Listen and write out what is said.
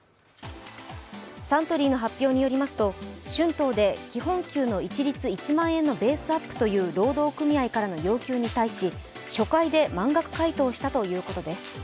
サントリーの発表によりますと、春闘で基本給の一律１万円のベースアップという労働組合からの要求に対し、初回で満額回答したということです。